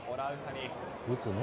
打つの？